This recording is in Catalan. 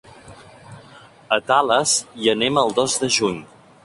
A Tales hi anem el dos de juny.